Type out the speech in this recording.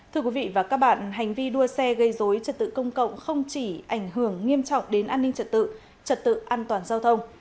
thưa quý vị và các bạn hành vi đua xe gây dối trật tự công cộng không chỉ ảnh hưởng nghiêm trọng đến an ninh trật tự trật tự an toàn giao thông